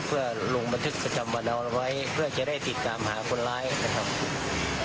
เพื่อลงบันทึกประจำวันเอาไว้เพื่อจะได้ติดตามหาคนร้ายนะครับ